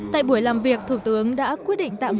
tại buổi làm việc thủ tướng đã quyết định tạm giữ